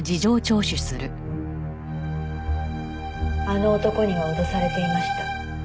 「あの男には脅されていました」